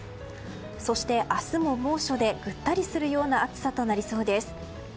そして、明日も猛暑でぐったりするような暑さとなりそうです。